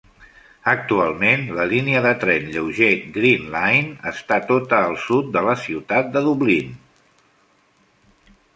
Actualment, la línia de tren lleuger, Green Line, està tota al sud de la ciutat de Dublín.